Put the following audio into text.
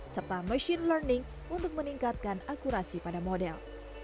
serta machine learning untuk meningkatkan akurasi pada model